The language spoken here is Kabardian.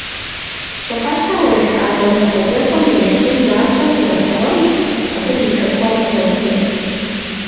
Пщыхьэщхьэ уэрэджыӏакӏуэ зэхьэзэхуэм и нэтын занщӏэр къигъэлъэгъуэнущ, абы ди хэкуэгъу хэтынущ.